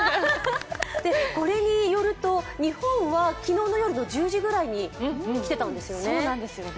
これによると、日本は昨日の夜の１０時ぐらいに来てたんですよね。